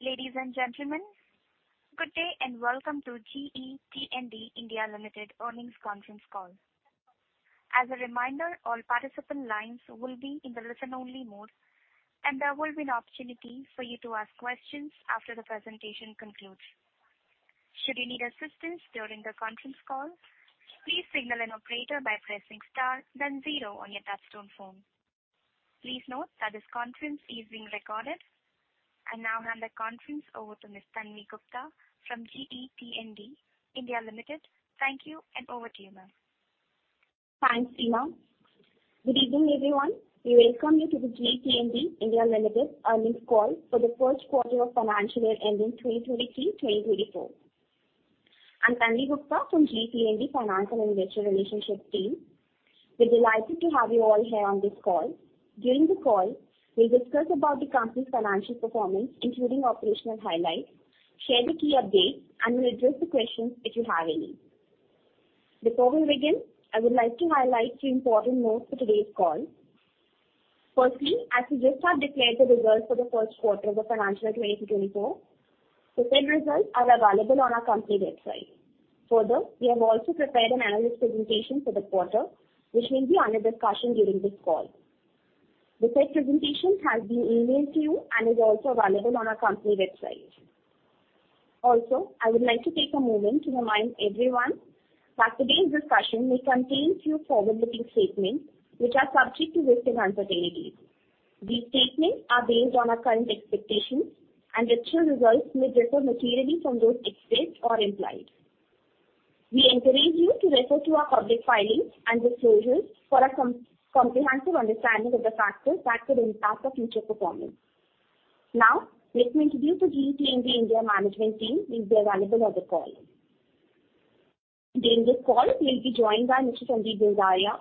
Ladies and gentlemen, good day, and welcome to GE T&D India Limited Earnings Conference Call. As a reminder, all participant lines will be in the listen-only mode, and there will be an opportunity for you to ask questions after the presentation concludes. Should you need assistance during the conference call, please signal an operator by pressing star then zero on your touchtone phone. Please note that this conference is being recorded. I now hand the conference over to Ms. Tanvi Gupta from GE T&D India Limited. Thank you, and over to you, ma'am. Thanks, Tina. Good evening, everyone. We welcome you to the GE T&D India Limited earnings call for the first quarter of financial year ending March 31, 2024. I'm Tanvi Gupta from GE T&D Finance and Investor Relations team. We're delighted to have you all here on this call. During the call, we'll discuss about the company's financial performance, including operational highlights, share the key updates, and we'll address the questions if you have any. Before we begin, I would like to highlight three important notes for today's call. Firstly, as we just have declared the results for the first quarter of the financial year 2024, the same results are available on our company website. We have also prepared an analyst presentation for the quarter, which will be under discussion during this call. The said presentation has been emailed to you and is also available on our company website. I would like to take a moment to remind everyone that today's discussion may contain few forward-looking statements which are subject to risks and uncertainties. These statements are based on our current expectations, and the actual results may differ materially from those expected or implied. We encourage you to refer to our public filings and disclosures for a comprehensive understanding of the factors that could impact our future performance. Let me introduce the GE T&D India management team who will be available on the call. During this call, we'll be joined by Mr. Sandeep Bindaria,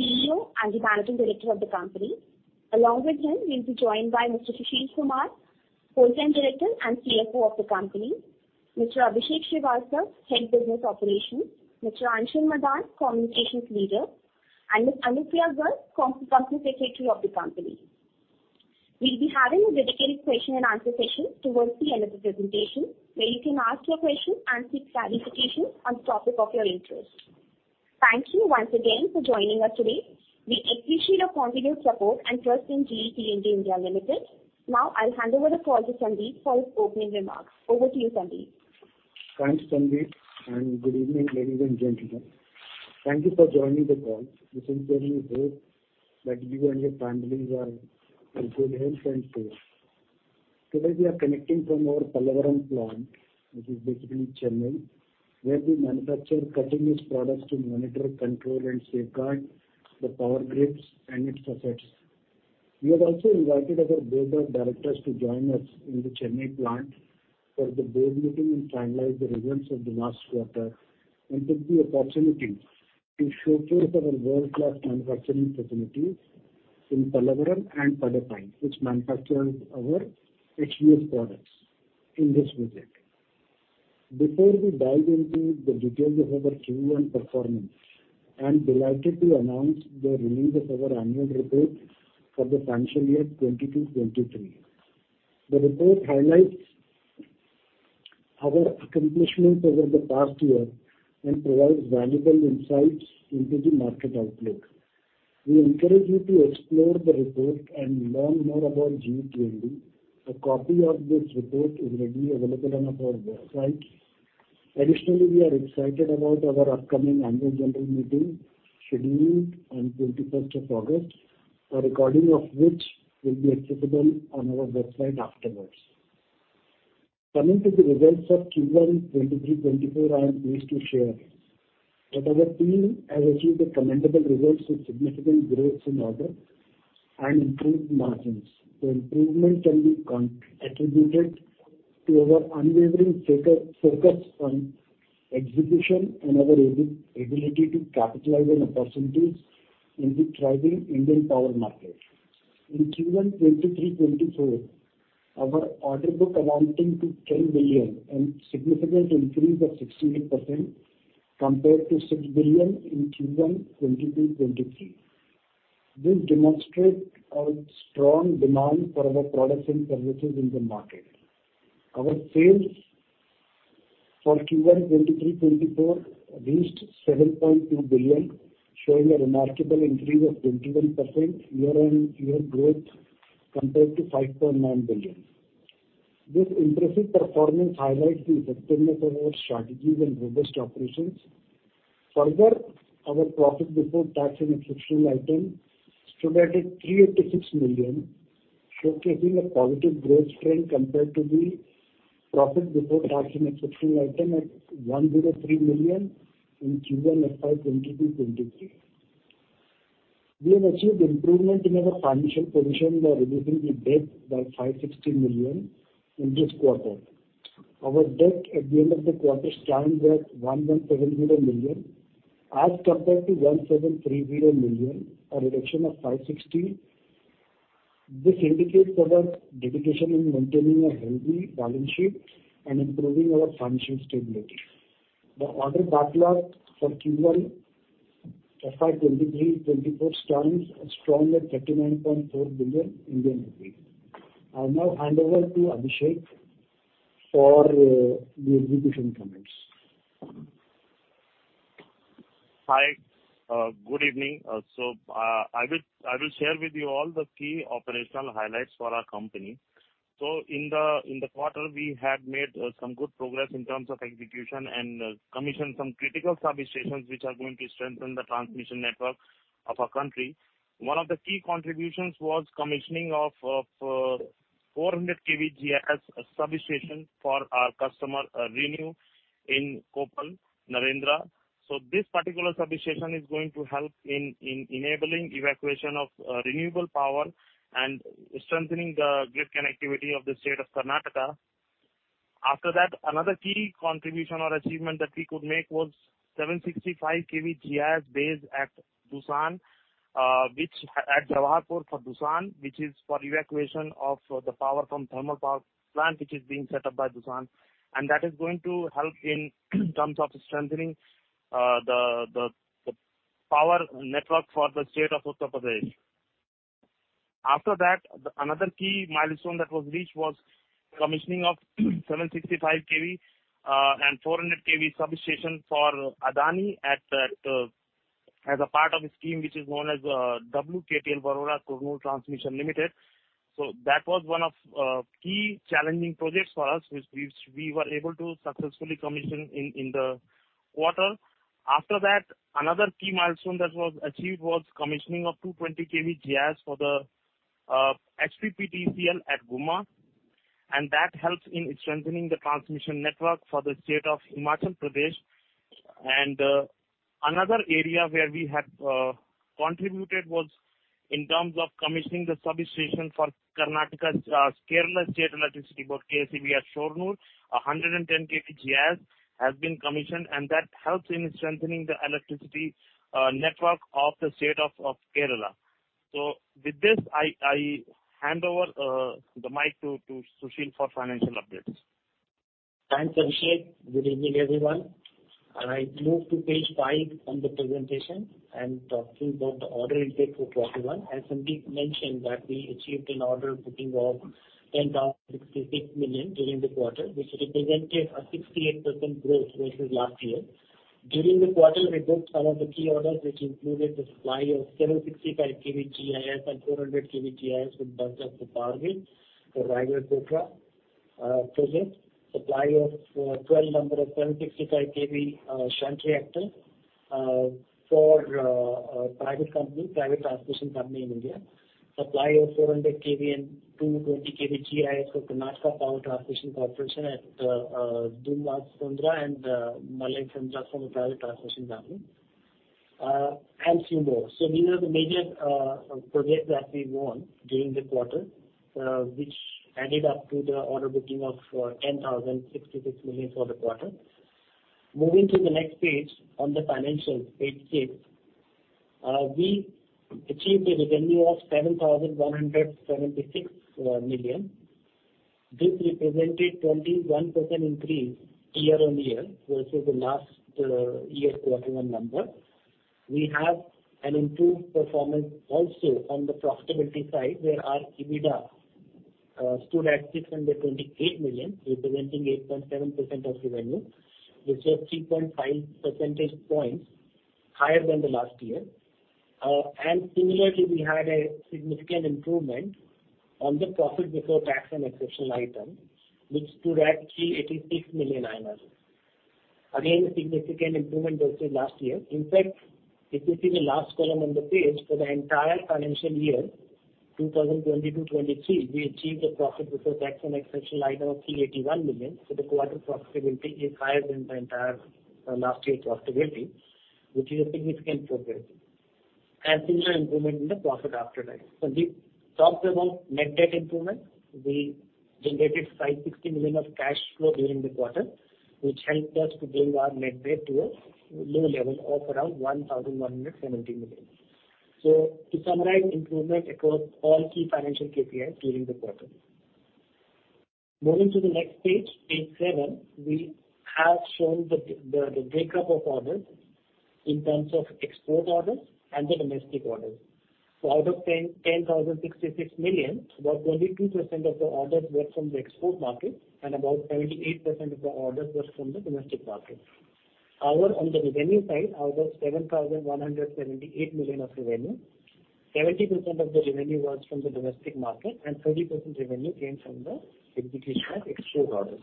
CEO and the Managing Director of the company. Along with him, we'll be joined by Mr. Sushil Kumar, Whole Time Director and CFO of the company; Mr. Abhishek Srivastava, Head Business Operations; Mr. Anshul Madan, Communications Leader; and Ms. Anushya Garg, Company Secretary of the company. We'll be having a dedicated question and answer session towards the end of the presentation, where you can ask your question and seek clarification on topic of your interest. Thank you once again for joining us today. We appreciate your continued support and trust in GE T&D India Limited. I'll hand over the call to Sandeep for his opening remarks. Over to you, Sandeep. Thanks, Tanvi, and good evening, ladies and gentlemen. Thank you for joining the call. We sincerely hope that you and your families are in good health and safe. Today, we are connecting from our Pallavaram plant, which is based in Chennai, where we manufacture cutting-edge products to monitor, control, and safeguard the power grids and its assets. We have also invited our Board of Directors to join us in the Chennai plant for the board meeting and finalize the results of the last quarter, and take the opportunity to showcase our world-class manufacturing facilities in Pallavaram and Tadipatri, which manufactures our HVS products in this visit. Before we dive into the details of our Q1 performance, I'm delighted to announce the release of our annual report for the financial year 2022, 2023. The report highlights our accomplishments over the past year and provides valuable insights into the market outlook. We encourage you to explore the report and learn more about GE T&D. A copy of this report is readily available on our website. Additionally, we are excited about our upcoming Annual General Meeting, scheduled on 21st of August, a recording of which will be accessible on our website afterwards. Turning to the results of Q1 2023-2024, I am pleased to share that our team has achieved a commendable results with significant growth in order and improved margins. The improvement can be attributed to our unwavering focus on execution and our ability to capitalize on opportunities in the thriving Indian power market. In Q1 2023-2024, our order book amounting to 10 billion, a significant increase of 16% compared to 6 billion in Q1 2022-2023. This demonstrates a strong demand for our products and services in the market. Our sales for Q1 2023-2024 reached 7.2 billion, showing a remarkable increase of 21% year-on-year growth compared to 5.9 billion. This impressive performance highlights the effectiveness of our strategies and robust operations. Our profit before tax and exceptional item stood at 386 million, showcasing a positive growth trend compared to the profit before tax and exceptional item at 1.003 billion in Q1 2022-2023. We have achieved improvement in our financial position by reducing the debt by 560 million in this quarter. Our debt at the end of the quarter stands at 117 billion, as compared to 173 billion, a reduction of 560 million. This indicates our dedication in maintaining a healthy balance sheet and improving our financial stability. The order backlog for Q1 as of 2023, 2024 stands at stronger 39.4 billion Indian rupees. I'll now hand over to Abhishek for the execution comments. Hi, good evening. I will, I will share with you all the key operational highlights for our company. In the, in the quarter, we had made some good progress in terms of execution and commission some critical substations, which are going to strengthen the transmission network of our country. One of the key contributions was commissioning of, of 400 kV GIS substation for our customer, ReNew in Koppal, Narendra. This particular substation is going to help in, in enabling evacuation of renewable power and strengthening the grid connectivity of the state of Karnataka. After that, another key contribution or achievement that we could make was 765 kV GIS base at Dhusan, which at Jawaharpur for Dhusan, which is for evacuation of the power from thermal power plant, which is being set up by Dhusan. That is going to help in terms of strengthening the power network for the state of Uttar Pradesh. After that, another key milestone that was reached was commissioning of 765 kV and 400 kV substation for Adani at as a part of a scheme which is known as WKTL Warora-Kurnool Transmission Limited. That was one of key challenging projects for us, which we were able to successfully commission in the quarter. After that, another key milestone that was achieved was commissioning of 220 kV GIS for the HPPCL at Guma, and that helps in strengthening the transmission network for the state of Himachal Pradesh. Another area where we have contributed was in terms of commissioning the substation for Karnataka's Kerala State Electricity Board, KSEB at Shornur. 110 kV GIS has been commissioned, and that helps in strengthening the electricity network of the state of Kerala. With this, I hand over the mic to Sushil for financial updates. Thanks, Abhishek. Good evening, everyone. I move to page 5 on the presentation and talking about the order intake for quarter 1. As Sandeep mentioned, that we achieved an order booking of 10,066 million during the quarter, which represented a 68% growth versus last year. During the quarter, we booked some of the key orders, which included the supply of 765 kV GIS and 400 kV GIS with Bus Duct for Power Grid for Raigarh, Kotra project. Supply of 12 number of 765 kV shunt reactor for a private company, private transmission company in India. Supply of 400 kV and 220 kV GIS for Karnataka Power Transmission Corporation at Dumal Sondra and Malling from a private transmission company and few more. These are the major projects that we won during the quarter, which added up to the order booking of 10,066 million for the quarter. Moving to the next page, on the financial, page six, we achieved a revenue of 7,176 million. This represented 21% increase year-on-year versus the last year quarter one number. We have an improved performance also on the profitability side, where our EBITDA stood at 628 million, representing 8.7% of revenue, which was 3.5 percentage points higher than the last year. Similarly, we had a significant improvement on the profit before tax and exceptional item, which stood at 386 million. Again, a significant improvement versus last year. In fact, if you see the last column on the page, for the entire financial year, 2020-2023, we achieved a profit before tax and exceptional item of 381 million. The quarter profitability is higher than the entire last year profitability, which is a significant progress and similar improvement in the profit after that. We talked about net debt improvement. We generated 560 million of cash flow during the quarter, which helped us to bring our net debt to a low level of around 1,170 million. To summarize, improvement across all key financial KPIs during the quarter. Moving to the next page, page 7, we have shown the, the, the breakup of orders in terms of export orders and the domestic orders. Out of 10,066 million, about 22% of the orders were from the export market, and about 78% of the orders were from the domestic market. However, on the revenue side, out of 7,178 million of revenue, 70% of the revenue was from the domestic market, and 30% revenue came from the execution of export orders.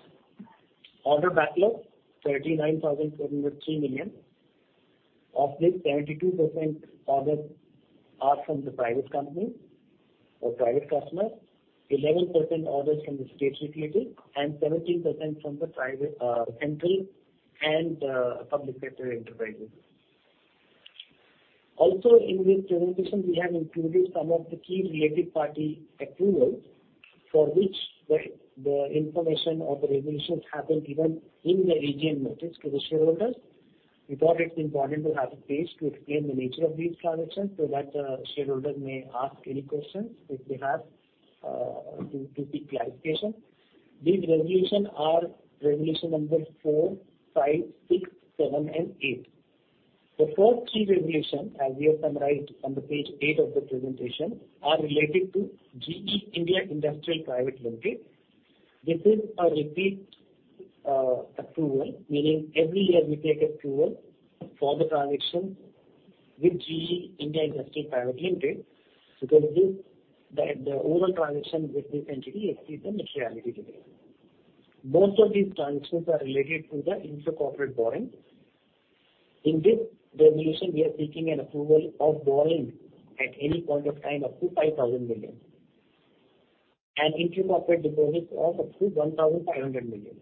Order backlog, 39,703 million. Of this, 72% orders are from the private company or private customers, 11% orders from the state-related, and 17% from the private, central and public sector enterprises. Also, in this presentation, we have included some of the key related party approvals, for which the, the information or the revelations happen even in the AGM notice to the shareholders. We thought it important to have a page to explain the nature of these transactions, so that shareholders may ask any questions if they have due to the clarification. These resolution are resolution number 4, 5, 6, 7, and 8. The first 3 resolution, as we have summarized on the page 8 of the presentation, are related to GE India Industrial Private Limited. This is a repeat approval, meaning every year we take approval for the transaction with GE India Industrial Private Limited, because this, the, the overall transaction with this entity exceeds the materiality limit. Most of these transactions are related to the intra-corporate borrowing. In this resolution, we are seeking an approval of borrowing at any point of time up to 5,000 million. Intra-corporate deposits of up to 1,500 million.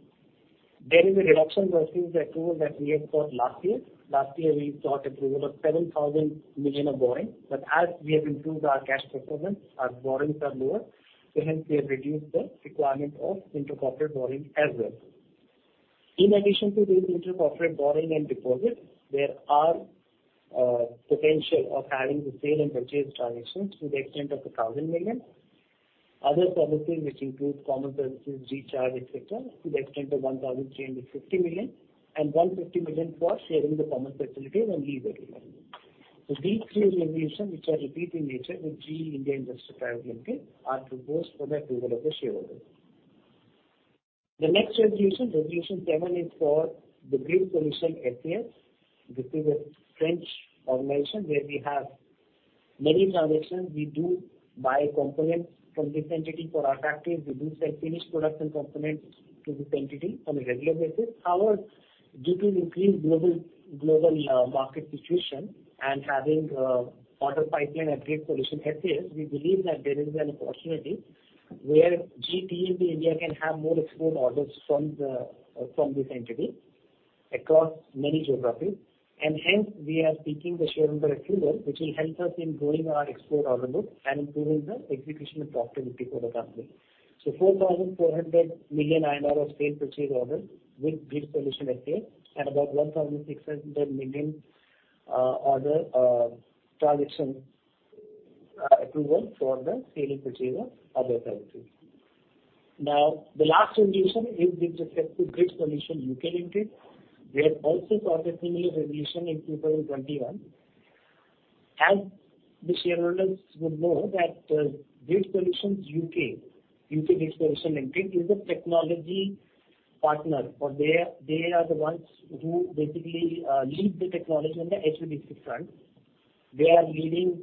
There is a reduction versus the approval that we have got last year. Last year, we got approval of 7,000 million of borrowing. As we have improved our cash performance, our borrowings are lower, hence we have reduced the requirement of intra-corporate borrowing as well. In addition to this intra-corporate borrowing and deposit, there are potential of having the sale and purchase transactions to the extent of 1,000 million. Other services, which include common services, recharge, et cetera, to the extent of 1,350 million, and 150 million for sharing the common facility and e-billing. These three resolutions, which are repeat in nature with GE India Industrial Private Limited, are proposed for the approval of the shareholder. The next resolution, Resolution 7, is for the Grid Solutions FES, which is a French organization, where we have many transactions. We do buy components from this entity for our factories. We do sell finished products and components to this entity on a regular basis. However, due to increased global, global market situation and having order pipeline at Grid Solutions FES, we believe that there is an opportunity where GET India can have more export orders from this entity across many geographies. Hence, we are seeking the shareholder approval, which will help us in growing our export order book and improving the execution and profitability for the company. 4,400 million of sale purchase order with Grid Solutions FES, and about 1,600 million order transaction approval for the sale and purchase of other services. The last resolution is with respect to Grid Solutions (UK) Limited. We have also got a similar resolution in 2021. As the shareholders would know that, Grid Solutions UK, UK Grid Solution Limited, is a technology partner, for they are, they are the ones who basically, lead the technology on the HVDC front. They are leading,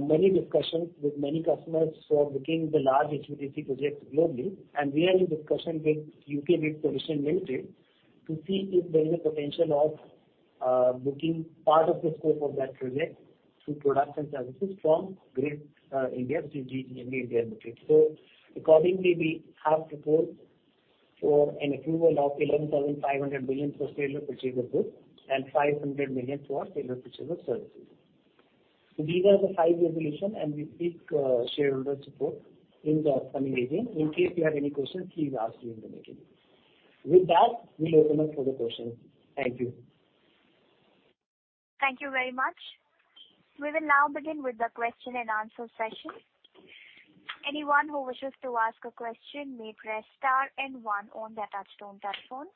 many discussions with many customers for booking the large HVDC projects globally, and we are in discussion with UK Grid Solution Limited to see if there is a potential of, booking part of the scope of that project through products and services from Grid, India, GE India Limited. Accordingly, we have proposed for an approval of 11,500 million for sale and purchase of goods, and 500 million for sale and purchase of services. These are the 5 resolution, and we seek, shareholder support in the upcoming AGM. In case you have any questions, please ask during the meeting. With that, we open up for the questions. Thank you. Thank you very much. We will now begin with the question and answer session. Anyone who wishes to ask a question may press star and one on their touchtone telephone.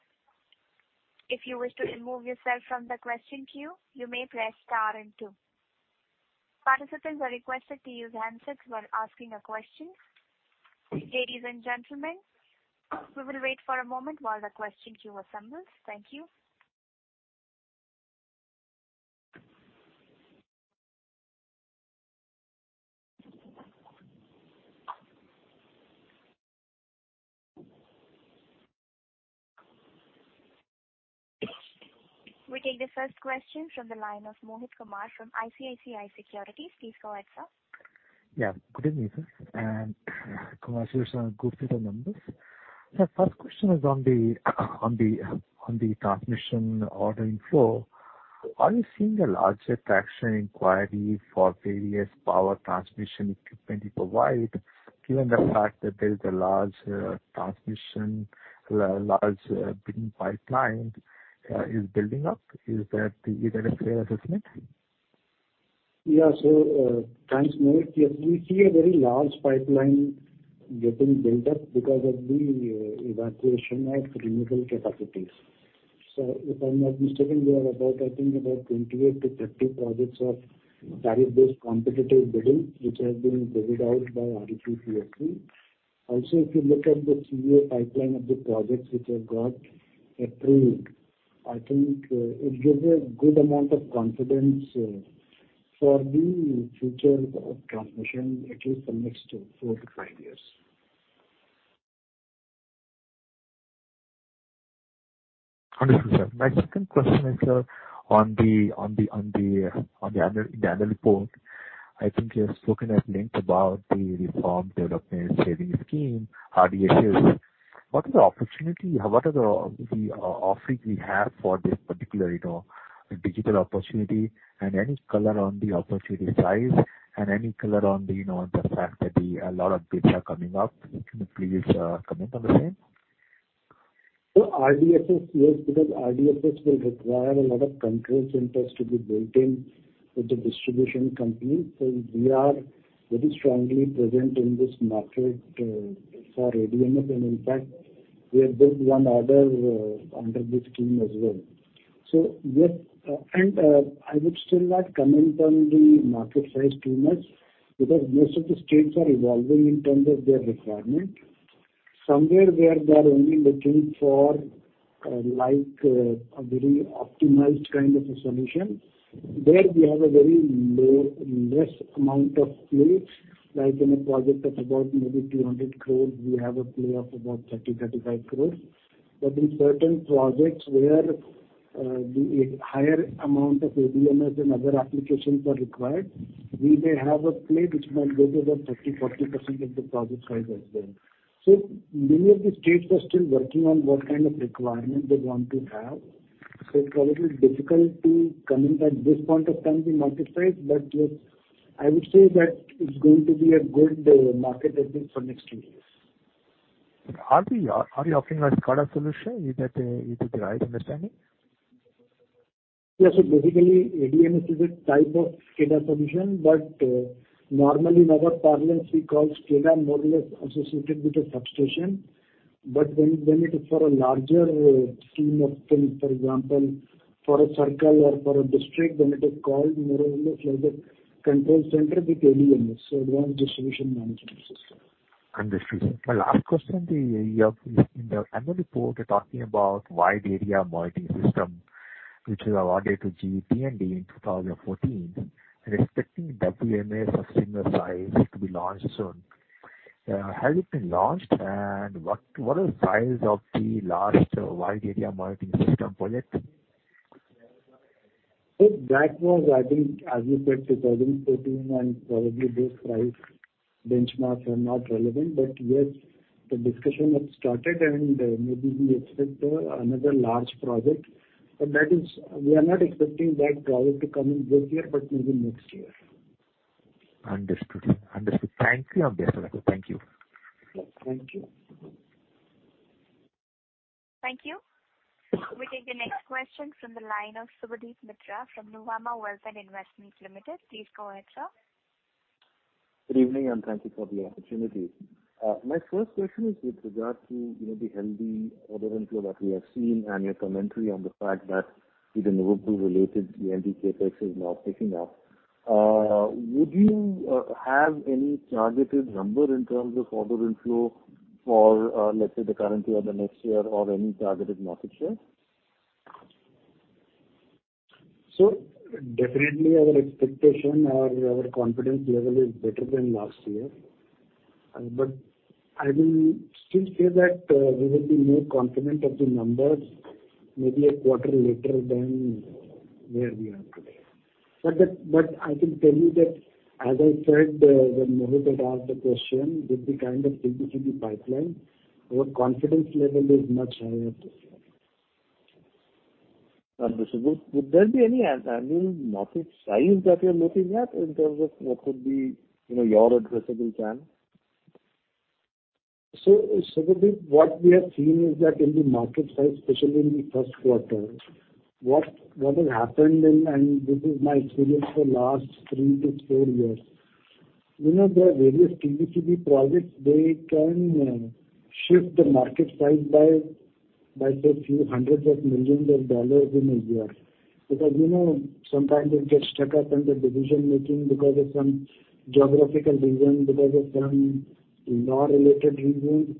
If you wish to remove yourself from the question queue, you may press star and two. Participants are requested to use handsets while asking a question. Ladies and gentlemen, we will wait for a moment while the question queue assembles. Thank you. We take the first question from the line of Mohit Kumar from ICICI Securities. Please go ahead, sir. Yeah, good evening. Congratulations on good set of numbers. My first question is on the transmission ordering flow. Are you seeing a larger traction inquiry for various power transmission equipment you provide, given the fact that there is a large transmission, large building pipeline is building up? Is that the correct assessment? Yeah, thanks, Mohit. Yes, we see a very large pipeline getting built up because of the evacuation of renewable capacities. If I'm not mistaken, there are about, I think, about 28-30 projects of Tariff-Based Competitive Bidding, which have been rolled out by RVPNL. If you look at the three-year pipeline of the projects which have got approved, I think, it gives a good amount of confidence for the future of transmission, at least for next four to five years. Understood, sir. My second question is on the annual report. I think you have spoken at length about the Revamped Distribution Sector Scheme, RDSS. What is the opportunity? What are the offerings we have for this particular, you know, digital opportunity? And any color on the opportunity size, and any color on the, you know, the fact that the... a lot of bids are coming up. Can you please comment on the same? RDSS, yes, because RDSS will require a lot of control centers to be built in with the distribution company. We are very strongly present in this market for ADMS, and in fact, we have built one other under this scheme as well. Yes, I would still not comment on the market size too much, because most of the states are evolving in terms of their requirement. Somewhere where they are only looking for a very optimized kind of a solution, there we have a very low, less amount of play, like in a project of about maybe 200 crore, we have a play of about 30-35 crore. In certain projects where the higher amount of ADMS and other applications are required, we may have a play which might go to about 30%-40% of the project size as well. Many of the states are still working on what kind of requirement they want to have. It's a little difficult to comment at this point of time, the market size, but yes, I would say that it's going to be a good market at least for next two years. Are we, are you offering a SCADA solution? Is that the right understanding? Yes. Basically, ADMS is a type of SCADA solution, but normally in our parlance, we call SCADA more less associated with the substation. When, when it is for a larger scheme of things, for example, for a circle or for a district, then it is called more or less like a control center with ADMS, so Advanced Distribution Management System. Understood. My last question to you, in the annual report, you're talking about Wide Area Monitoring System, which is awarded to GE T&D in 2014, and expecting WAMS of similar size to be launched soon. Has it been launched? What, what is the size of the last Wide Area Monitoring System project? That was, I think, as you said, 2014, and probably those price benchmarks are not relevant. Yes, the discussion has started and maybe we expect another large project. That is. We are not expecting that project to come in this year, but maybe next year. Understood. Understood. Thank you, Abhay Sir. Thank you. Yes, thank you. Thank you. We take the next question from the line of Subhadeep Mitra from Nuvama Wealth and Investments Limited. Please go ahead, sir. Good evening. Thank you for the opportunity. My first question is with regard to, you know, the healthy order inflow that we have seen and your commentary on the fact that the renewable-related DND CapEx is now picking up. Would you have any targeted number in terms of order inflow for, let's say, the current year or the next year or any targeted market share? Definitely our expectation or our confidence level is better than last year. I will still say that, we will be more confident of the numbers maybe a quarter later than where we are today. I can tell you that, as I said, when Mohit had asked the question, with the kind of business in the pipeline, our confidence level is much higher this year. Understood. Would there be any, I mean, market size that you're looking at in terms of what could be, you know, your addressable TAM? Subhadeep, what we have seen is that in the market size, especially in the first quarter, what has happened, and this is my experience for last three to four years, you know, the various PBJB projects, they can shift the market size by say, $hundreds of millions in a year. Because, you know, sometimes it gets stuck up in the decision-making because of some geographical reason, because of some law-related reasons.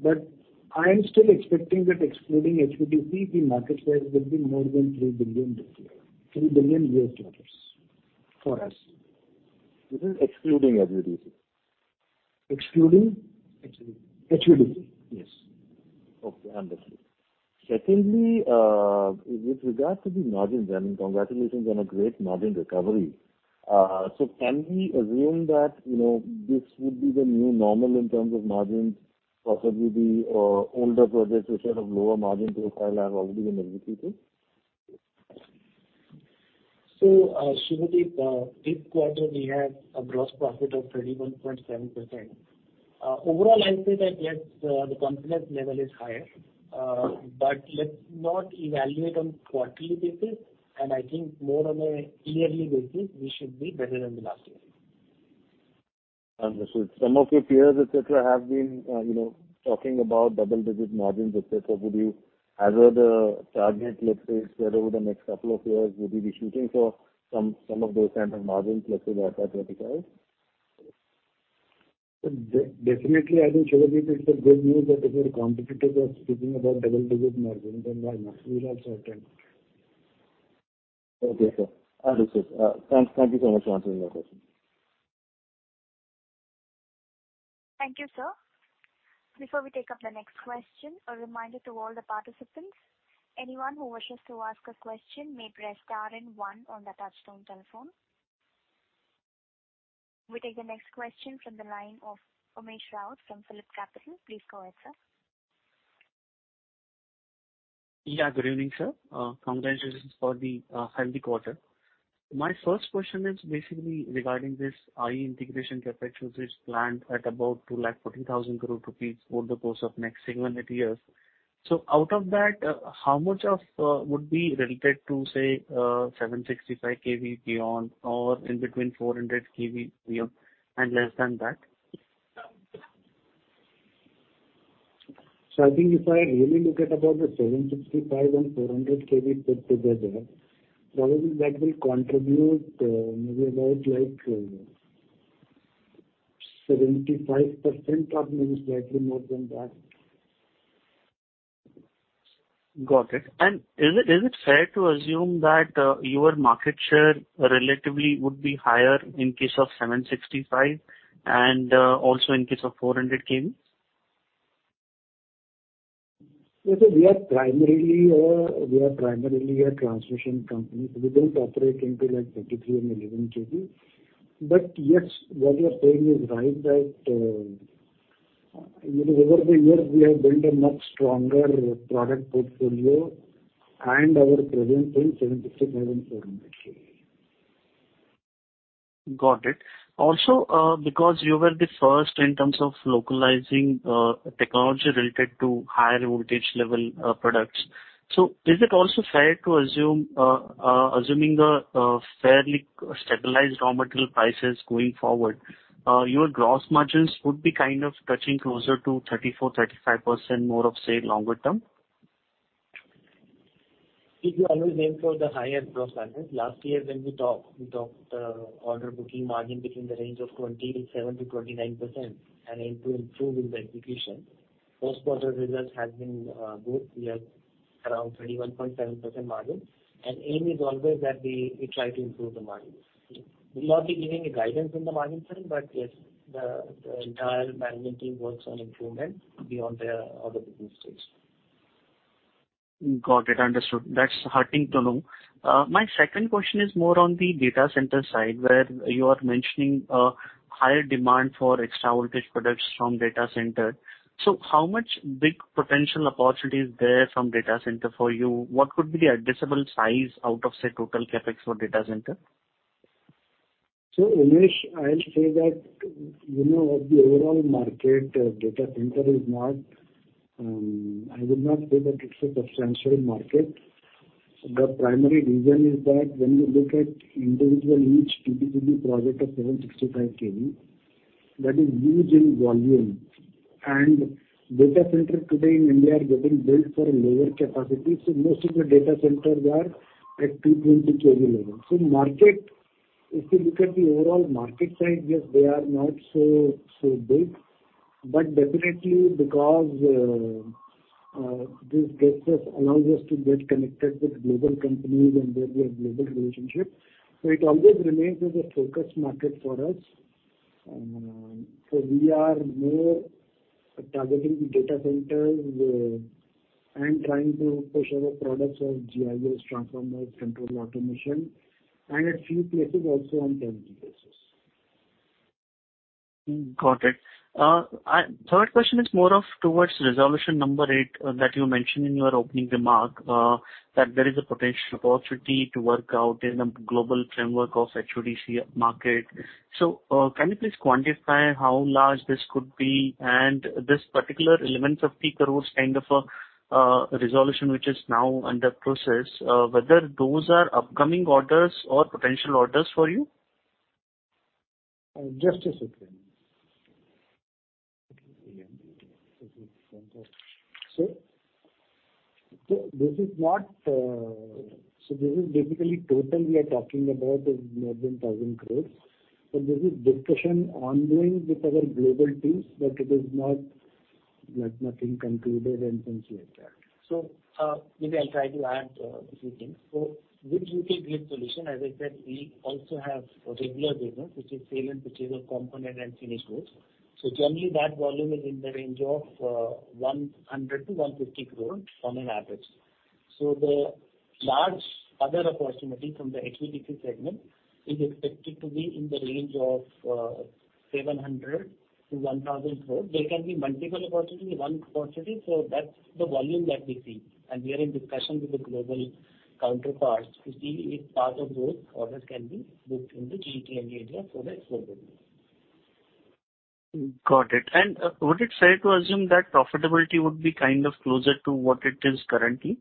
I am still expecting that excluding HVDC, the market size will be more than $3 billion this year, $3 billion for us. This is excluding HVDC? Excluding? Excluding. HVDC. Yes. Okay, understood. Secondly, with regards to the margins, I mean, congratulations on a great margin recovery. Can we assume that, you know, this would be the new normal in terms of margins, possibly the older projects which had a lower margin profile have already been executed? Subhadeep, this quarter we had a gross profit of 21.7%. Overall, I'll say that, yes, the confidence level is higher, but let's not evaluate on quarterly basis, and I think more on a yearly basis, we should be better than the last year. Understood. Some of your peers, et cetera, have been, you know, talking about double-digit margins, et cetera. Would you, as a target, let's say, spread over the next couple of years, would you be shooting for some of those kinds of margins, let's say, aspirational? Definitely, I think, Subhadeep, it's a good news that if your competitors are speaking about double-digit margins, why not? We will also attempt. Okay, Sir. Understood. Thank, thank you so much for answering my question. Thank you, sir. Before we take up the next question, a reminder to all the participants, anyone who wishes to ask a question may press star and 1 on the touchtone telephone. We take the next question from the line of Umesh Raut from PhillipCapital. Please go ahead, sir. Yeah, good evening, sir. Congratulations for the healthy quarter. My first question is basically regarding this IE integration CapEx, which is planned at about 240,000 rupees over the course of next seven, eight years. Out of that, how much of would be related to, say, 765 kV beyond or in between 400 kV beyond and less than that? I think if I really look at about the 765 and 400 kV put together, probably that will contribute, maybe about like, 75% of maybe slightly more than that. Got it. Is it, is it fair to assume that your market share relatively would be higher in case of 765 and also in case of 400 kV? Yes, sir, we are primarily a, we are primarily a transmission company. We don't operate into like 33 and 11 KV. Yes, what you are saying is right, that over the years, we have built a much stronger product portfolio and our presence in 765 and 400 KV. Got it. Because you were the first in terms of localizing, technology related to higher voltage level, products, is it also fair to assume, assuming a, fairly stabilized raw material prices going forward, your gross margins would be kind of touching closer to 34%-35% more of, say, longer term? We always aim for the higher gross margins. Last year, when we talked, we talked, order booking margin between the range of 27%-29%. Aim to improve with the execution. First quarter results has been good. We have around 31.7% margin. Aim is always that we, we try to improve the margin. We'll not be giving a guidance in the margin term, yes, the, the entire management team works on improvement beyond their other business goals. Got it, understood. That's heartening to know. My second question is more on the data center side, where you are mentioning, higher demand for extra voltage products from data center. How much big potential opportunity is there from data center for you? What could be the addressable size out of, say, total CapEx for data center? Unmesh, I'll say that, you know, what the overall market data center is not. I would not say that it's a substantial market. The primary reason is that when you look at individual, each P2P project of 765 kV, that is huge in volume. Data center today in India are getting built for a lower capacity, so most of the data centers are at 220 kV level. Market, if you look at the overall market size, yes, they are not so, so big, but definitely because this business allows us to get connected with global companies and build your global relationship, so it always remains as a focus market for us. We are more targeting the data centers and trying to push our products of GIS, transformers, control automation, and at few places also on basis. Got it. Third question is more of towards resolution number 8, that you mentioned in your opening remark, that there is a potential opportunity to work out in the global framework of HVDC market. Can you please quantify how large this could be? And this particular element of 3 crore kind of resolution, which is now under process, whether those are upcoming orders or potential orders for you? Just a second. So this is not. This is basically total we are talking about is more than 1,000 crore. There is discussion ongoing with our global teams, but it is not like nothing concluded and things like that. Maybe I'll try to add, if you can. With GTD solution, as I said, we also have a regular business, which is sale and purchase of component and finished goods. Generally, that volume is in the range of 100 crore-150 crore on an average. The large other opportunity from the HVDC segment is expected to be in the range of 700 crore-1,000 crore. There can be multiple opportunities, one opportunity. That's the volume that we see. We are in discussion with the global counterparts to see if part of those orders can be booked in the GTEL area for the explosion. Got it. Would it be fair to assume that profitability would be kind of closer to what it is currently?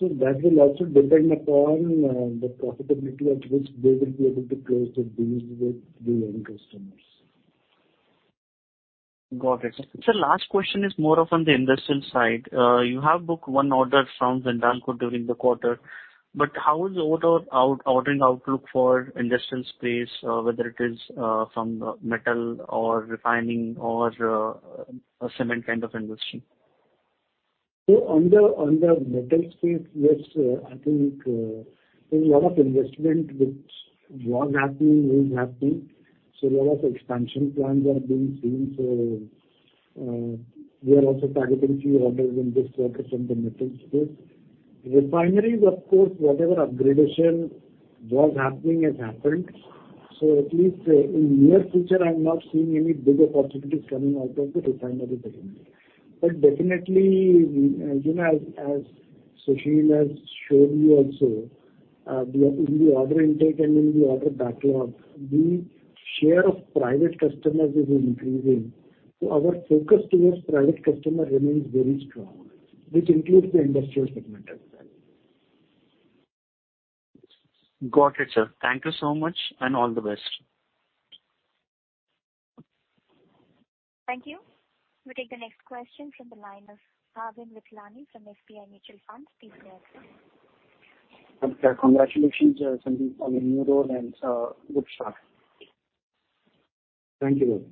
That will also depend upon the profitability at which they will be able to close the deals with the end customers. Got it. Sir, last question is more of on the industrial side. You have booked 1 order from Vindankur during the quarter. How is the ordering outlook for industrial space, whether it is from metal or refining or a cement kind of industry? On the, on the metal space, yes, I think, there's a lot of investment which was happening, is happening, so a lot of expansion plans are being seen. We are also targeting few orders in this quarter from the metal space. Refineries, of course, whatever upgradation was happening has happened, so at least in near future, I'm not seeing any big opportunities coming out of the refinery space. Definitely, we, you know, as, as Sushil has showed you also, the, in the order intake and in the order backlog, the share of private customers is increasing. Our focus towards private customer remains very strong, which includes the industrial segment as well. Got it, sir. Thank you so much, and all the best. Thank you. We'll take the next question from the line of Bhavin Vithlani from SBI Mutual Fund. Please go ahead, sir. Congratulations, Sandeep, on your new role and good start. Thank you.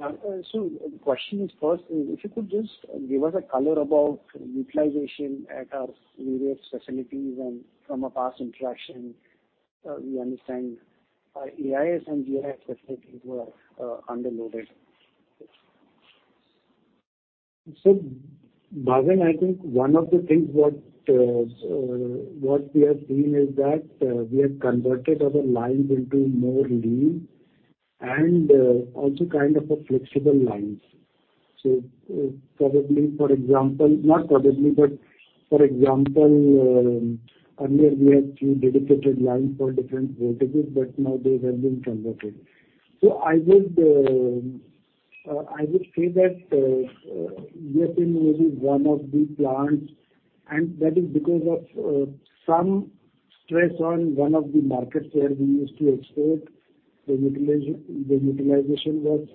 The question is, first, if you could just give us a color about utilization at various facilities, and from a past interaction, we understand, AIS and GIS facilities were underloaded. Bhavin, I think one of the things what we have seen is that we have converted our lines into more lean and also kind of a flexible lines. Probably, for example -- not probably, but for example, earlier we had 3 dedicated lines for different voltages, now they have been converted. I would, I would say that we have been using one of the plants, and that is because of some stress on one of the markets where we used to export. The utilization was,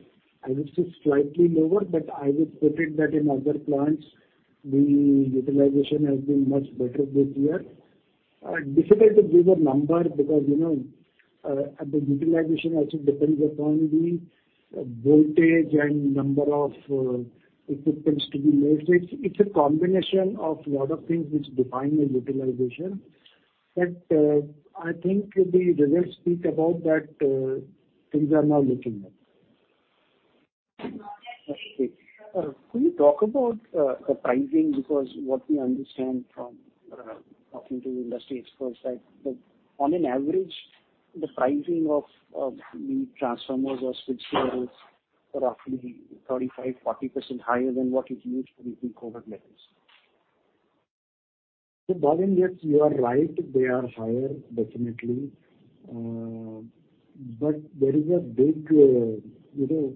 I would say, slightly lower, I would put it that in other plants, the utilization has been much better this year. Difficult to give a number because, you know, the utilization also depends upon the voltage and number of equipments to be made. It's, it's a combination of a lot of things which define the utilization. I think the results speak about that, things are now looking up. Okay. Can you talk about the pricing? Because what we understand from talking to industry experts that on an average, the pricing of, of the transformers or switchgears is roughly 35%-40% higher than what it used to be pre-COVID levels. Bhavin, yes, you are right, they are higher, definitely. There is a big, you know,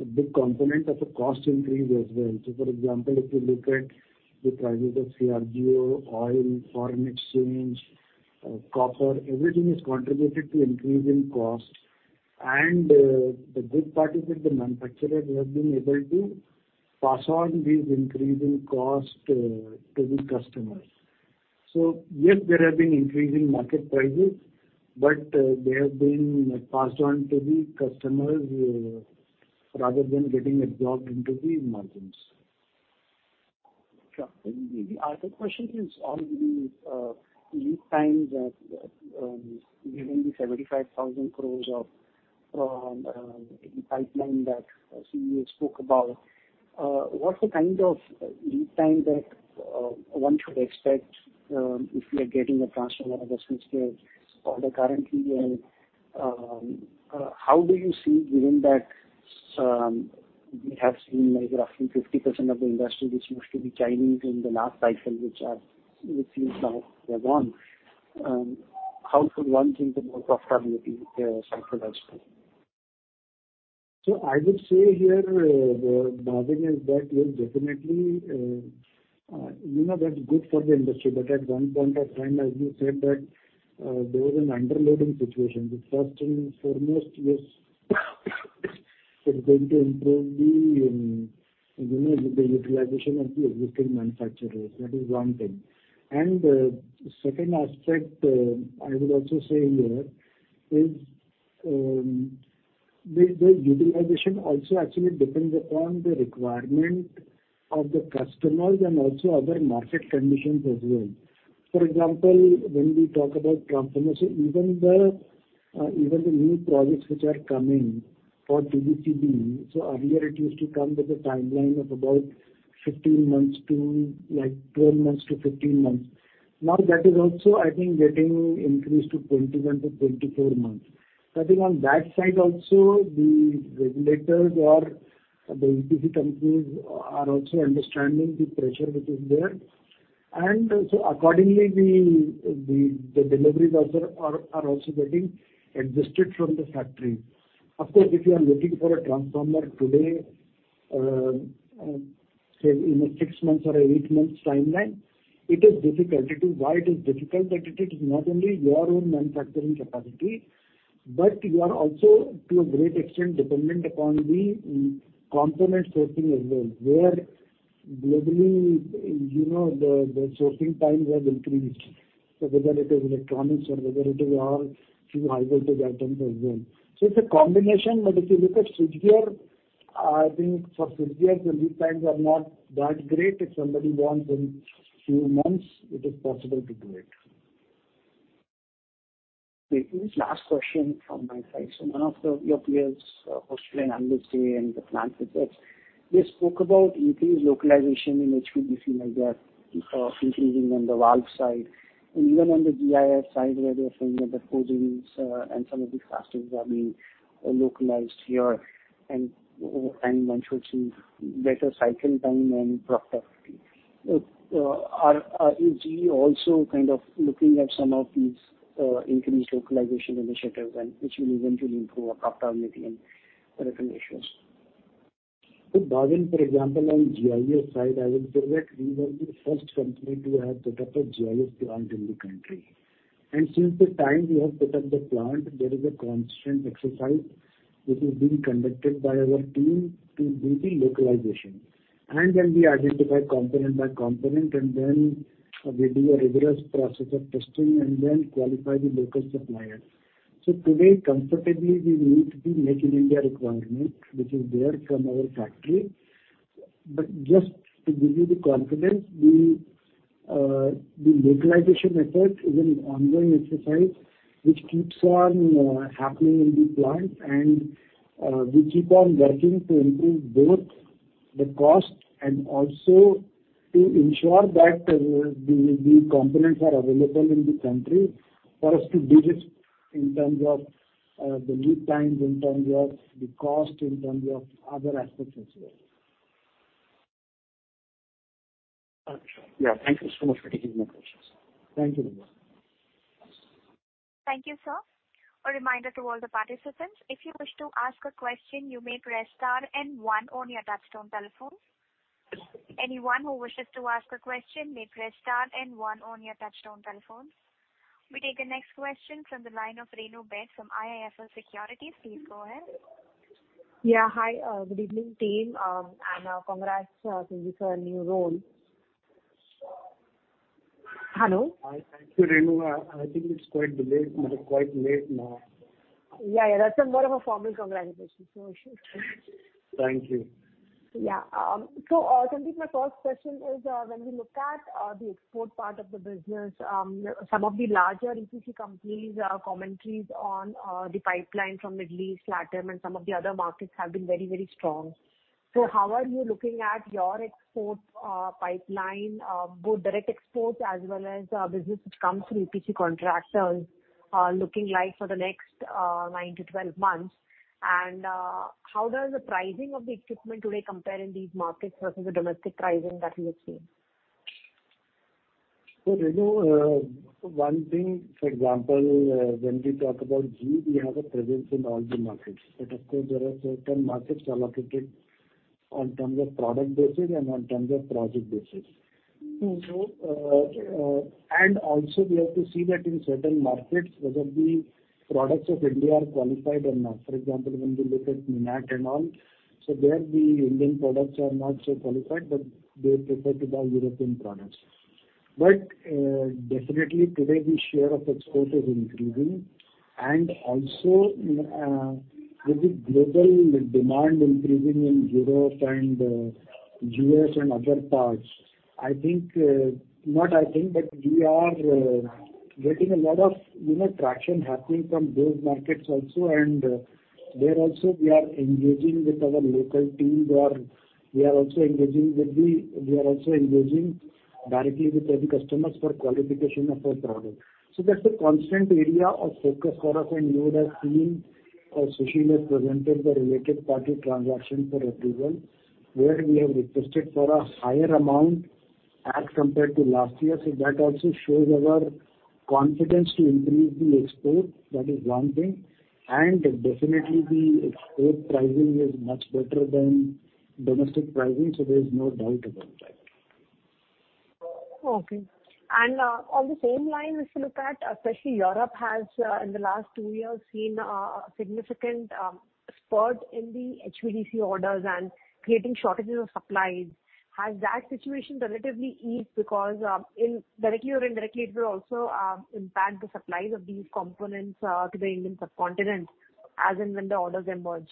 a big component of the cost increase as well. For example, if you look at the prices of CRGO, oil, foreign exchange, copper, everything is contributed to increase in cost. The good part is that the manufacturers have been able to pass on these increasing cost to the customers. Yes, there have been increase in market prices, but they have been passed on to the customers, rather than getting absorbed into the margins. Sure. The other question is on the lead times and given the 75,000 crore of in the pipeline that CEO spoke about, what's the kind of lead time that one should expect if we are getting a transformer or a switchgear order currently? How do you see, given that we have seen like roughly 50% of the industry which used to be Chinese in the last cycle, which are, which is now gone, how could one think about profitability cycle as well? I would say here, the bargain is that, yes, definitely, you know, that's good for the industry, but at one point of time, as you said, there was an underloading situation. The first and foremost, yes, it's going to improve the, you know, the utilization of the existing manufacturers. That is one thing. Second aspect, I would also say here is, the utilization also actually depends upon the requirement of the customers and also other market conditions as well. For example, when we talk about transformers, so even the new projects which are coming for TPB, so earlier it used to come with a timeline of about 15 months to, like, 12 months to 15 months. Now, that is also, I think, getting increased to 21 to 24 months. I think on that side also, the regulators or the ABC companies are also understanding the pressure which is there. Accordingly, the deliveries also are also getting adjusted from the factory. Of course, if you are looking for a transformer today, say, in a 6 months or 8 months timeline, it is difficult. Why it is difficult? That it is not only your own manufacturing capacity, but you are also, to a great extent, dependent upon the component sourcing as well, where globally, you know, the sourcing times have increased, so whether it is electronics or whether it is all few high voltage items as well. But if you look at switchgear, I think for switchgears, the lead times are not that great. If somebody wants in few months, it is possible to do it. Okay. This last question from my side. One of the, your peers, Australian Industry and the plant projects, they spoke about increased localization in HVDC, like the increasing on the valve side, and even on the GIS side, where they are saying that the coatings and some of the castings are being localized here, and one should see better cycle time and profitability. Is GE also kind of looking at some of these increased localization initiatives and which will eventually improve our profitability and recommendations? Bhavin, for example, on GIS side, I would say that we were the first company to have set up a GIS plant in the country. Since the time we have set up the plant, there is a constant exercise which is being conducted by our team to do the localization. Then we identify component by component, and then we do a rigorous process of testing, and then qualify the local suppliers. Today, comfortably, we meet the Make in India requirement, which is there from our factory. Just to give you the confidence, the localization effort is an ongoing exercise which keeps on happening in the plant. We keep on working to improve both the cost and also to ensure that the components are available in the country for us to reduce in terms of the lead times, in terms of the cost, in terms of other aspects as well. Got you. Yeah, thank you so much for taking my questions. Thank you very much. Thank you, sir. A reminder to all the participants, if you wish to ask a question, you may press star 1 on your touchtone telephone. Anyone who wishes to ask a question, may press star 1 on your touchtone telephones. We take the next question from the line of Renu Baid from IIFL Securities. Please go ahead. Yeah. Hi, good evening, team. Congrats, Sandeep, for your new role. Hello? Hi. Thank you, Renu. I, I think it's quite delayed, quite late now. Yeah, yeah, that's more of a formal congratulations, so. Thank you. Yeah. Sandeep, my first question is, when we look at the export part of the business, some of the larger EPC companies, commentaries on the pipeline from Middle East, LATAM, and some of the other markets have been very, very strong. How are you looking at your export pipeline, both direct exports as well as business which comes through EPC contractors, looking like for the next 9 to 12 months? How does the pricing of the equipment today compare in these markets versus the domestic pricing that we have seen? Renu, one thing, for example, when we talk about GE, we have a presence in all the markets. Of course, there are certain markets allocated on terms of product basis and on terms of project basis. Mm-hmm. Also, we have to see that in certain markets, whether the products of India are qualified or not. For example, when we look at MINAC and all, there the Indian products are not so qualified, they prefer to buy European products. Definitely today the share of export is increasing. Also, with the global demand increasing in Europe and US and other parts, we are getting a lot of, you know, traction happening from those markets also. There also we are engaging with our local team, or we are also engaging with we are also engaging directly with the customers for qualification of our product. That's a constant area of focus for us, and you would have seen, as Sushil has presented the related party transaction for approval, where we have requested for a higher amount as compared to last year. That also shows our confidence to increase the export. That is one thing. Definitely, the export pricing is much better than domestic pricing, so there is no doubt about that. Okay. On the same line, if you look at, especially Europe has, in the last two years, seen significant spurt in the HVDC orders and creating shortages of supplies. Has that situation relatively eased? Because, in directly or indirectly, it will also impact the supplies of these components to the Indian subcontinent, as and when the orders emerge.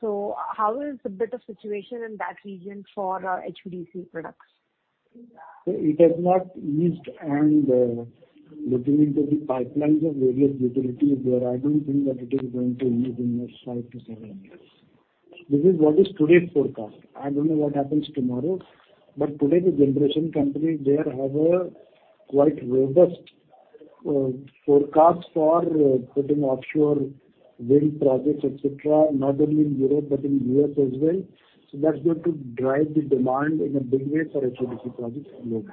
How is the better situation in that region for HVDC products? It has not eased, and looking into the pipelines of various utilities there, I don't think that it is going to ease in the next five to seven years. This is what is today's forecast. I don't know what happens tomorrow, but today the generation company, they have a quite robust forecast for putting offshore wind projects, et cetera, not only in Europe but in US as well. That's going to drive the demand in a big way for HVDC projects globally.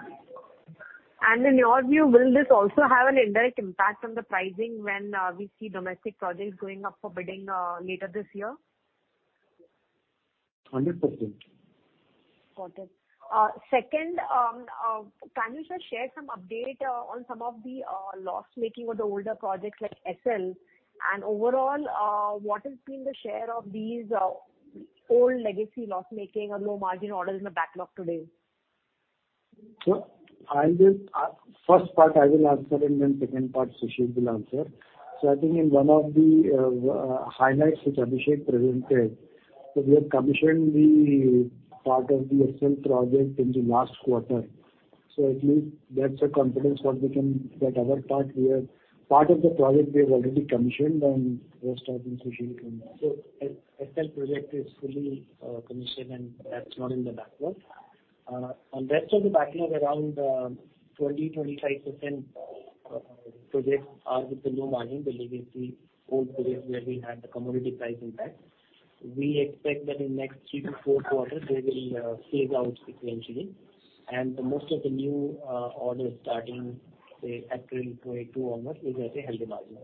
In your view, will this also have an indirect impact on the pricing when we see domestic projects going up for bidding later this year? 100%. Got it. Second, can you just share some update on some of the loss-making or the older projects like Essel? Overall, what has been the share of these old legacy loss-making or low-margin orders in the backlog today? I will first part I will answer, and then second part, Sushil will answer. I think in one of the highlights which Abhishek presented, we have commissioned the part of the Essel project in the last quarter. At least that's a confidence what we can... That our part, we are part of the project we have already commissioned, and rest of it Sushil can... Essel project is fully commissioned, and that's not in the backlog. On rest of the backlog, around 20%-25%.... projects are with the low margin, the legacy old projects, where we had the commodity price impact. We expect that in next 3-4 quarters, they will phase out sequentially. Most of the new orders starting, say, April 2022 onwards, will get a healthy margin.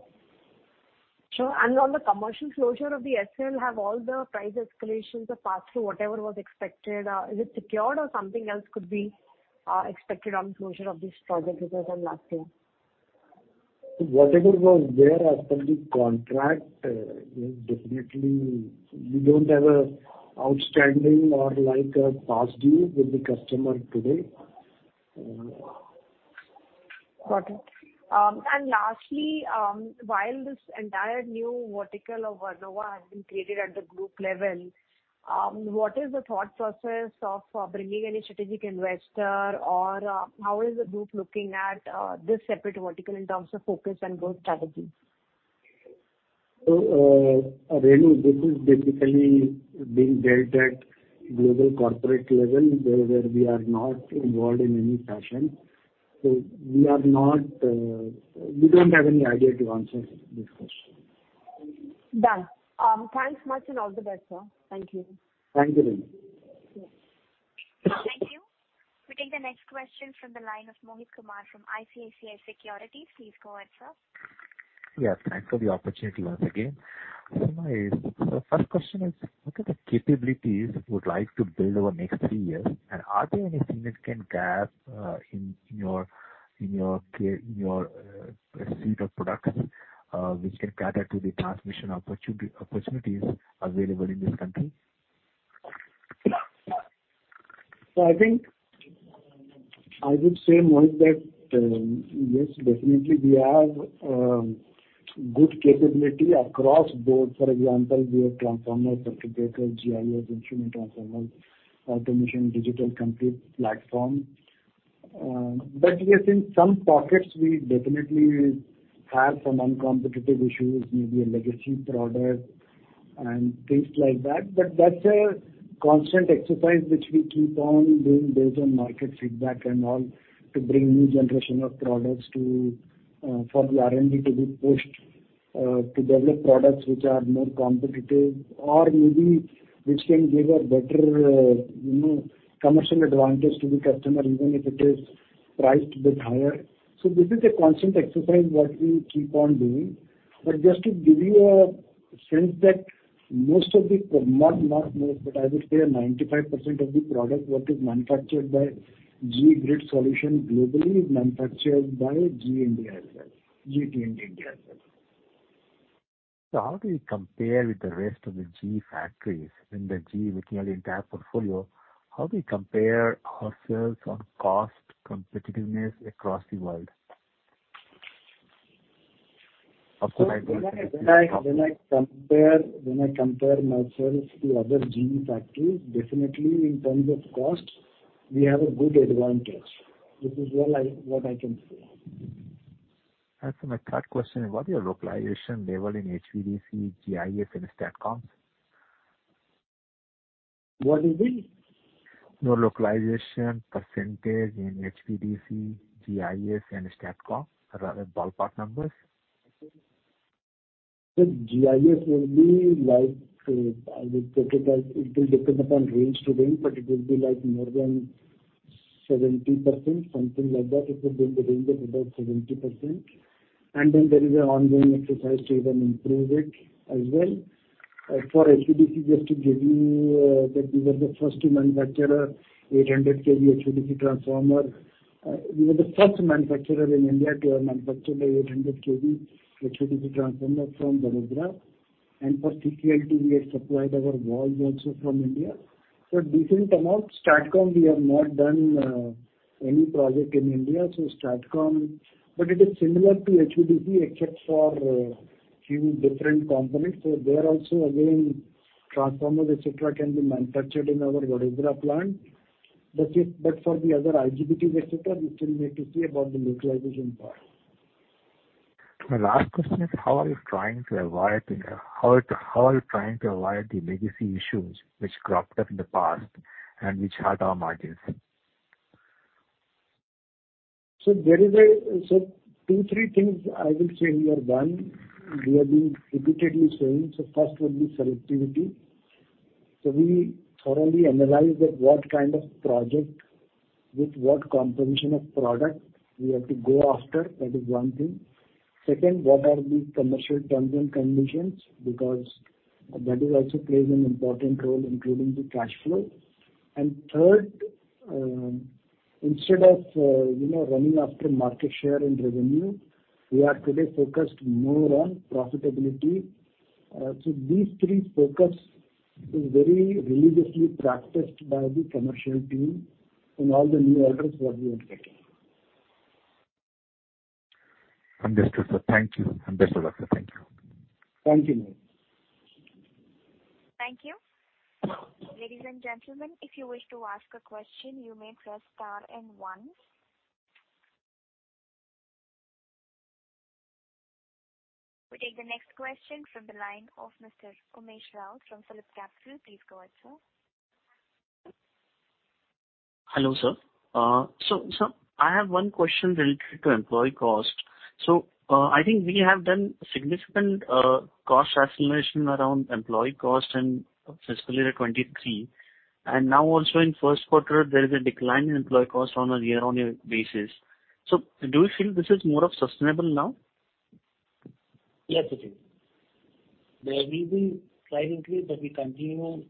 Sure. On the commercial closure of the SL, have all the price escalations are passed through whatever was expected, is it secured or something else could be expected on the closure of this project because of last year? Whatever was there as per the contract, is definitely we don't have an outstanding or like a past due with the customer today. Got it. Lastly, while this entire new vertical of Vernova has been created at the group level, what is the thought process of bringing any strategic investor, or how is the group looking at this separate vertical in terms of focus and growth strategy? Really, this is basically being dealt at global corporate level, where, where we are not involved in any fashion. We are not. We don't have any idea to answer this question. Done. Thanks much, and all the best, sir. Thank you. Thank you, Renu. Thank you. We take the next question from the line of Mohit Kumar from ICICI Securities. Please go ahead, sir. Yes, thanks for the opportunity once again. My first question is: What are the capabilities you would like to build over the next three years? Are there any significant gaps in your suite of products, which can cater to the transmission opportunity, opportunities available in this country? I think, I would say, Mohit, that, yes, definitely we have good capability across board. For example, we have transformers, circuit breakers, GIS, instrument transformers, automation, digital compute platform. Yes, in some pockets we definitely have some uncompetitive issues, maybe a legacy product and things like that. That's a constant exercise which we keep on doing based on market feedback and all, to bring new generation of products to for the R&D to be pushed to develop products which are more competitive or maybe which can give a better, you know, commercial advantage to the customer, even if it is priced bit higher. This is a constant exercise what we keep on doing. Just to give you a sense that 95% of the product what is manufactured by GE Grid Solutions globally is manufactured by GE India itself, GE India itself. How do you compare with the rest of the GE factories in the GE virtually entire portfolio? How do you compare ourselves on cost competitiveness across the world? When I compare myself to other GE factories, definitely in terms of cost, we have a good advantage. This is all what I can say. My third question: What is your localization level in HVDC, GIS and STATCOMs? What do you mean? Your localization % in HVDC, GIS and STATCOM, rather ballpark numbers? The GIS will be like, I would take it as. It will depend upon range to range, but it will be like more than 70%, something like that. It will be in the range of about 70%. Then there is an ongoing exercise to even improve it as well. For HVDC, just to give you, that we were the first manufacturer, 800 kV HVDC transformer. We were the first manufacturer in India to have manufactured an 800 kV HVDC transformer from Vadodara. For CTLT, we have supplied our valve also from India. Decent amount. STATCOM, we have not done any project in India. It is similar to HVDC, except for a few different components. There also, again, transformers, etc., can be manufactured in our Vadodara plant. For the other IGBTs, et cetera, we still need to see about the localization part. My last question is: How are you trying to avoid the legacy issues which cropped up in the past and which hurt our margins? There is. Two, three things I will say here. One, we have been repeatedly saying. First will be selectivity. We thoroughly analyze that what kind of project, with what composition of product we have to go after. That is one thing. Second, what are the commercial terms and conditions? That is also plays an important role, including the cash flow. Third, instead of, you know, running after market share and revenue, we are today focused more on profitability. These three focus is very religiously practiced by the commercial team in all the new orders what we are getting. Understood, sir. Thank you. Understood, sir. Thank you. Thank you, Mohit. Thank you. Ladies and gentlemen, if you wish to ask a question, you may press star and one. We take the next question from the line of Mr. Umesh Raut from PhillipCapital. Please go ahead, sir. Hello, sir. Sir, I have one question related to employee cost. I think we have done significant cost acceleration around employee cost in fiscal year 2023, and now also in first quarter, there is a decline in employee cost on a year-on-year basis. Do you feel this is more of sustainable now? Yes, it is. There will be slight increase, but we continue,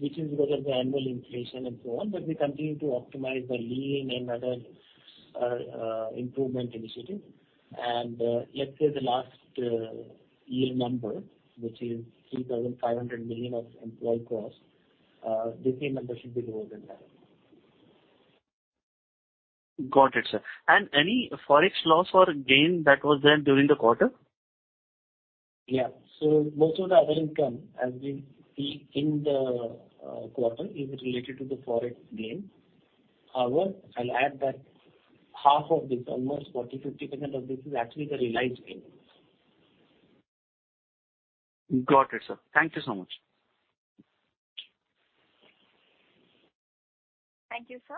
which is because of the annual inflation and so on. We continue to optimize the Lean and other improvement initiatives. Let's say the last year number, which is 3,500 million of employee costs, this year number should be lower than that. Got it, sir. Any forex loss or gain that was there during the quarter? Yeah. Most of the other income as we see in the quarter is related to the forex gain. However, I'll add that half of this, almost 40%-50% of this, is actually the realized gain. Got it, sir. Thank you so much. Thank you, sir.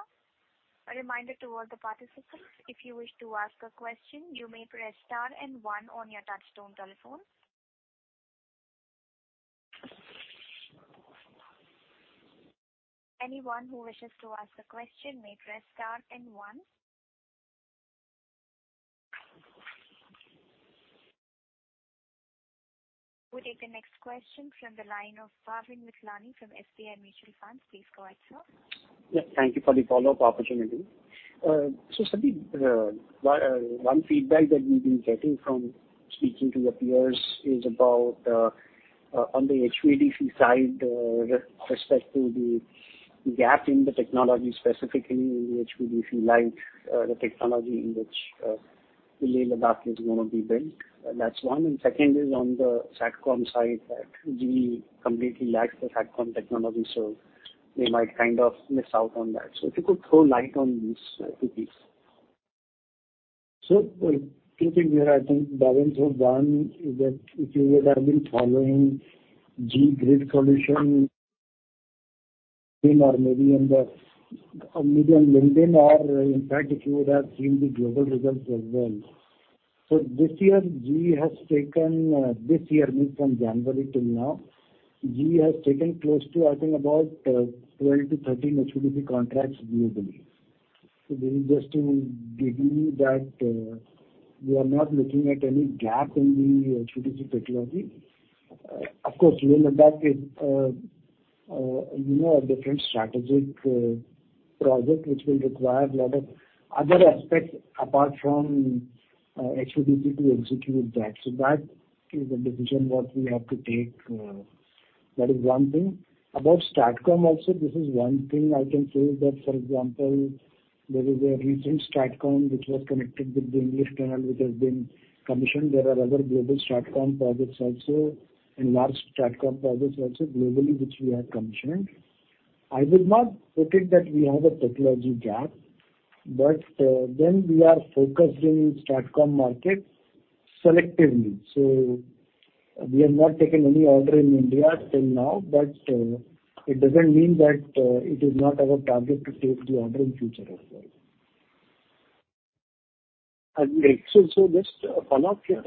A reminder to all the participants, if you wish to ask a question, you may press star and one on your touchtone telephone. Anyone who wishes to ask a question may press star and one. We'll take the next question from the line of Bhavin Vithlani from SBI Mutual Fund. Please go ahead, sir. Yeah, thank you for the follow-up opportunity. So Sabir, one feedback that we've been getting from speaking to your peers is about on the HVDC side, re-respect to the gap in the technology, specifically in the HVDC Light, the technology in which leh Ladakh is going to be built. That's one, and second is on the STATCOM side, that GE completely lacks the STATCOM technology, so they might kind of miss out on that. If you could throw light on these two things? Two things here, I think, Bhavin. One is that if you would have been following GE Grid Solutions in or maybe in the, maybe on LinkedIn or in fact, if you would have seen the global results as well. This year, GE has taken, this year, means from January till now, GE has taken close to, I think, about 12-13 HVDC contracts globally. This is just to give you that, we are not looking at any gap in the HVDC technology. Of course, leh Ladakh is, you know, a different strategic project, which will require a lot of other aspects apart from HVDC to execute that. That is a decision what we have to take. That is one thing. About STATCOM also, this is one thing I can say is that, for example, there is a recent STATCOM which was connected with the English Channel, which has been commissioned. There are other global STATCOM projects also and large STATCOM projects also globally, which we have commissioned. I will not forget that we have a technology gap, but then we are focused in STATCOM market selectively. We have not taken any order in India till now, but it doesn't mean that it is not our target to take the order in future as well. Just a follow-up here.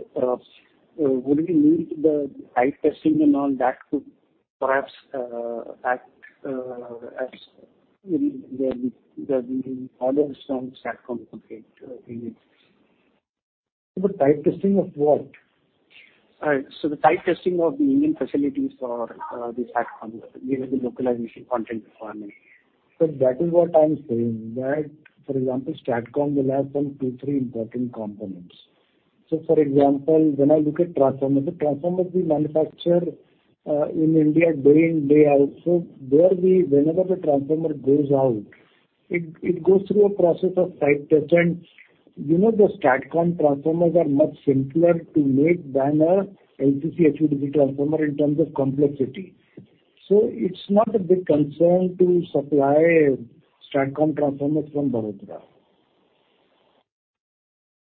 Would we need the type testing and all that could perhaps act as the orders from STATCOM complete in it? The type testing of what? The type testing of the Indian facilities for the STATCOM, given the localization content requirement. That is what I'm saying, that, for example, STATCOM will have some 2, 3 important components. For example, when I look at transformer, the transformer we manufacture in India day in, day out. There whenever the transformer goes out, it, it goes through a process of type test. You know, the STATCOM transformers are much simpler to make than a HVDC transformer in terms of complexity. It's not a big concern to supply STATCOM transformers from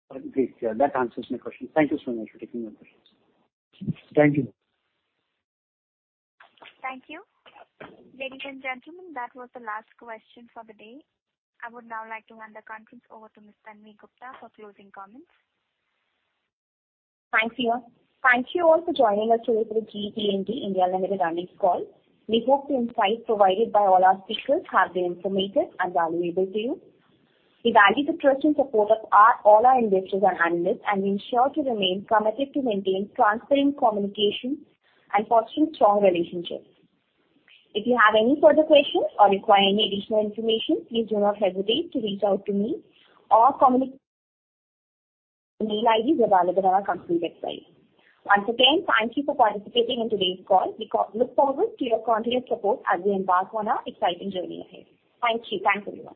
Baroda. Okay. Yeah, that answers my question. Thank you so much for taking my questions. Thank you. Thank you. Ladies and gentlemen, that was the last question for the day. I would now like to hand the conference over to Ms. Tanvi Gupta for closing comments. Thanks, Sia. Thank you all for joining us today for the GE T&D India Limited earnings call. We hope the insights provided by all our speakers have been informative and valuable to you. We value the trust and support of all our investors and analysts, and we ensure to remain committed to maintain transparent communication and fostering strong relationships. If you have any further questions or require any additional information, please do not hesitate to reach out to me or The email IDs available on our company website. Once again, thank you for participating in today's call. We look forward to your continuous support as we embark on our exciting journey ahead. Thank you. Thanks, everyone.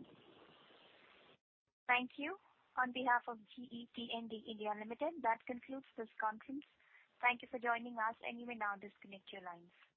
Thank you. On behalf of GE T&D India Limited, that concludes this conference. Thank you for joining us, and you may now disconnect your lines.